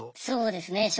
そうですね